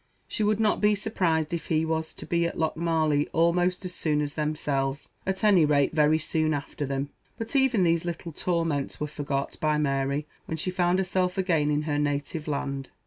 She would not be surprised if he Was to be at Lochmarlie almost as soon as themselves; at any rate very soon after them. But even these little torments were forgot by Mary when she found herself again in her native land.